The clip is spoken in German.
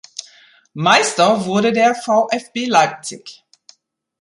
Meister wurde der VfB Leipzig.